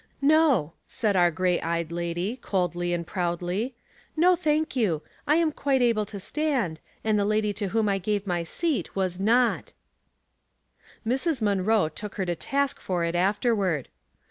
" No," said our gray eyed lady, coldly and proudly. "No, thank you. I am quite able to stand, and the lady to whom I gave my seat waa notr Mrs. Munroe took her to task for it afterward.